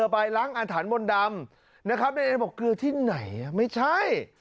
ไปล้างอาฐานมนดำนะครับเคยบอกเกลื่อที่ไหนไม่ใช่